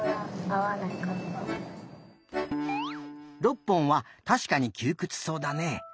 ６本はたしかにきゅうくつそうだね。